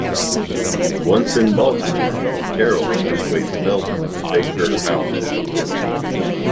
Once in Baltimore, Carol persuades Melvin to take her out to have dinner.